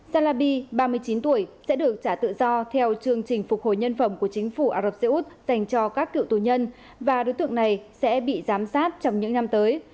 salabi ba mươi chín tuổi sẽ được trả tự do theo chương trình phục hồi nhân phẩm của chính phủ ả rập xê út dành cho các cựu tù nhân và đối tượng này sẽ bị giám sát trong những năm tới